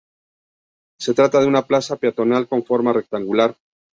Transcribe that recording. Se trata de una plaza peatonal con forma rectangular.